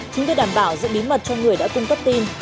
chính để đảm bảo giữ bí mật cho người đã cung cấp tin